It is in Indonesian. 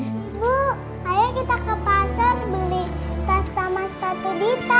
ibu ayo kita ke pasar beli kas sama sepatu dita